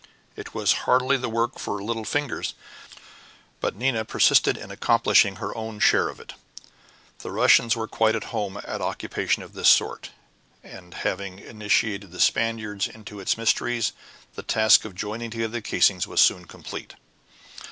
It was hardly the work for little fingers, but Nina persisted in accomplishing her own share of it. The Russians were quite at home at occupation of this sort, and having initiated the Spaniards into its mysteries, the task of joining together the casing was soon complete.